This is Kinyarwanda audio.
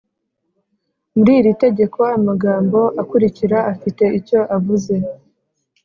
Muri iri tegeko amagambo akurikira afite icyo avuze